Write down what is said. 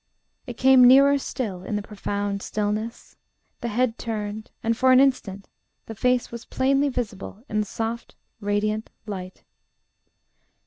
It came nearer still, in the profound stillness; the head turned, and for an instant the face was plainly visible in the soft, radiant light.